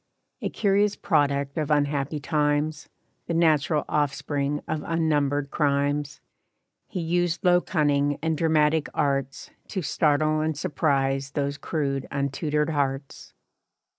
A curious product of unhappy times, The natural offspring of unnumbered crimes, He used low cunning and dramatic arts To startle and surprise those crude untutored hearts.